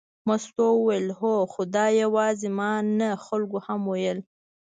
مستو وویل هو، خو دا یوازې ما نه خلکو هم ویل.